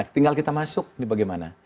tinggal kita masuk ini bagaimana